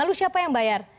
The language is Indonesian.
lalu siapa yang bayar